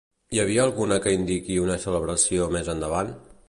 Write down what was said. Hi ha alguna que indiqui una celebració més endavant?